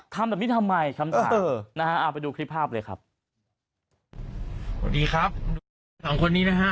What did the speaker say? ทำแบบนี้ทำไมทำได้เออนะฮะเอาไปดูคลิปภาพเลยครับสวัสดีครับสองคนนี้นะฮะ